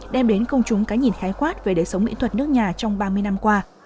đem đến công chúng cái nhìn khái quát về đời sống mỹ thuật nước nhà trong ba mươi năm qua